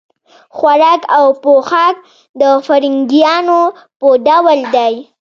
خوراک او پوښاک د فرنګیانو په ډول دی.